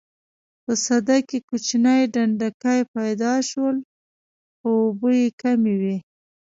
په سده کې کوچني ډنډکي پیدا شول خو اوبه یې کمې وې.